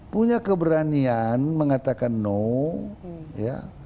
punya keberanian mengatakan no ya